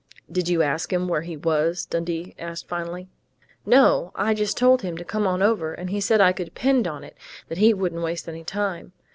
_" "Did you ask him where he was?" Dundee asked finally. "No. I just told him to come on over, and he said I could depend on it that he wouldn't waste any time....